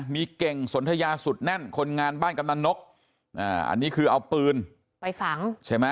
มีเก่งสนทยาสุดแน่นคนงานบ้านกำนันนกอันนี้คือเอาปืนไปฝังใช่ไหม